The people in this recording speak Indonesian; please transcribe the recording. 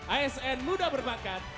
asn muda berbakat